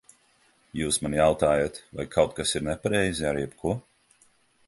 Jūs man jautājat, vai kaut kas ir nepareizi ar jebko?